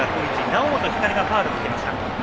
猶本光がファウルを受けました。